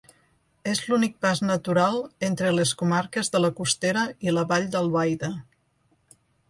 És l'únic pas natural entre les comarques de la Costera i la Vall d'Albaida.